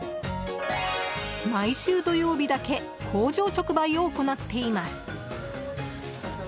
毎週土曜日だけ工場直売を行っています。